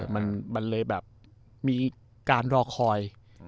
มันเลยแบบมีการรอคอย